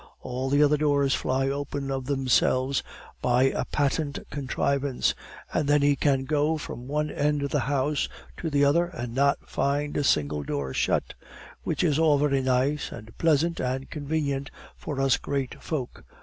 all the other doors fly open of themselves by a patent contrivance; and then he can go from one end of the house to the other and not find a single door shut; which is all very nice and pleasant and convenient for us great folk!